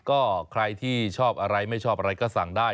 ก็ใครที่ชอบอะไรไม่ชอบอะไรก็สั่งได้